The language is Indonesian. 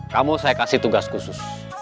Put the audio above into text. kamu saya kasih tugas khusus